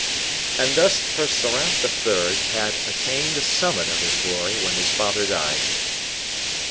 And thus Percerin the third had attained the summit of his glory when his father died.